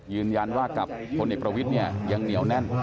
ยืนยันว่ากับคนในประวิษยังเหนียวแน่น